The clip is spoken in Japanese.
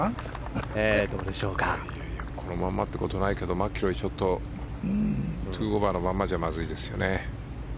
このままということはないけど、マキロイは２オーバーのままじゃまずいですよね。